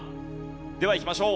ではいきましょう。